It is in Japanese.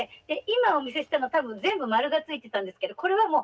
で今お見せしたのは多分全部○がついてたんですけどこれは